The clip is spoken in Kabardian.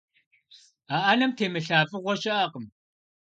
А ӏэнэм темылъа фӀыгъуэ щыӀэкъым.